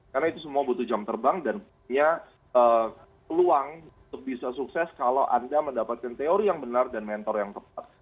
karena itu semua butuh jam terbang dan punya peluang untuk bisa sukses kalau anda mendapatkan teori yang benar dan mentor yang tepat